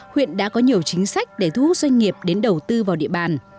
huyện đã có nhiều chính sách để thu hút doanh nghiệp đến đầu tư vào địa bàn